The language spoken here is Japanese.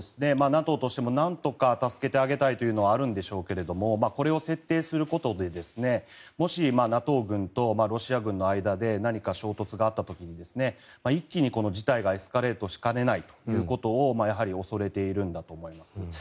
ＮＡＴＯとしてもなんとか助けてあげたいというのはあるんでしょうけどこれを設定することでもしＮＡＴＯ軍とロシア軍の間で何か衝突があった時に一気に事態がエスカレートしかねないということをやはり恐れているんだと思います。